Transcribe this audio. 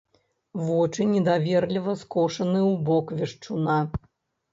Вочы недаверліва скошаны ў бок вешчуна.